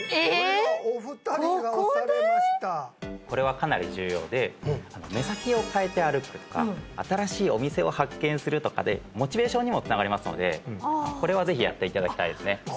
これはかなり重要で目先を変えて歩くとか新しいお店を発見するとかでモチベーションにもつながりますのでこれはぜひやっていただきたいですね